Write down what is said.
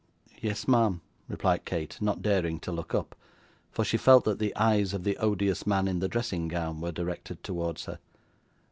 'Yes, ma'am,' replied Kate, not daring to look up; for she felt that the eyes of the odious man in the dressing gown were directed towards her.